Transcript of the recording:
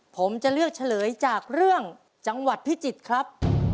ผมจะเลือกเฉลยจากเรื่องจังหวัดพิจิตรครับ